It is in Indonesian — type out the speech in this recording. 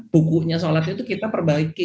bukunya sholatnya itu kita perbaiki